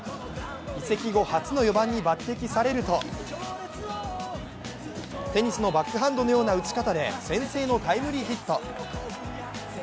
移籍後初の４番に抜てきされるとテニスのバックハンドのような打ち方で先制のタイムリーヒット。